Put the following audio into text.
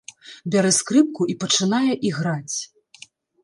Бярэ скрыпку і пачынае іграць.